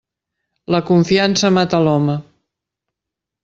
La confiança mata l'home.